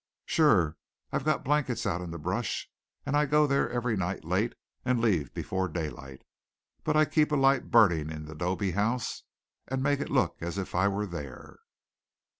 "Sure. I've got blankets out in the brush, and I go there every night late and leave before daylight. But I keep a light burning in the 'dobe house and make it look as if I were there."